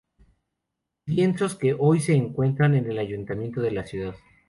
Lienzos que hoy se encuentran en el Ayuntamiento de la ciudad.